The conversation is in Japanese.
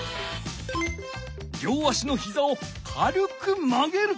両足のひざを軽く曲げる。